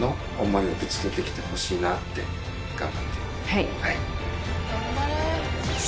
はい。